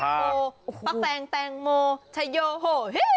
ปลาแสงแตงโมชะโยโห